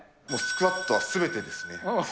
もうスクワットはすべてですね。